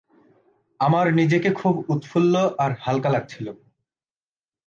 আমার নিজেকে খুব উৎফুল্ল আর হালকা লাগছিল।